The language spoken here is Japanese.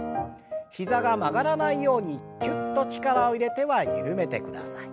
膝が曲がらないようにきゅっと力を入れては緩めてください。